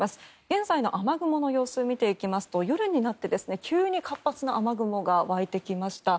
現在の雨雲の様子見ていきますと、夜になって急に活発な雨雲が湧いてきました。